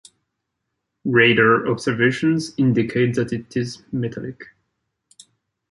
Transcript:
Radar observations indicate that it is metallic.